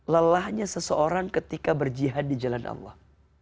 lelahnya seseorang ketika berjihad di jalan allah